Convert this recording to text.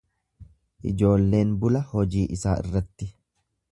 Ijoolleen bula hojii isaa irratti.